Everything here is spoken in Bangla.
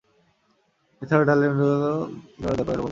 এ ছাড়াও ডালিম, ডুমুর এবং জলপাই গাছ রোপণ করেছিলেন।